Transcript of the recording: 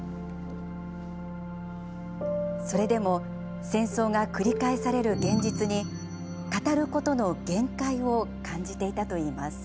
それでも戦争が繰り返される現実に語ることの限界を感じていたといいます。